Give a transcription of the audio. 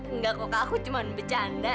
enggak kakak aku cuman bercanda